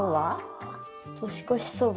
年越しそば。